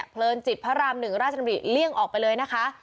เลินจิตพระราม๑ราชดำริเลี่ยงออกไปเลยนะคะ